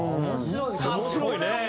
面白いね。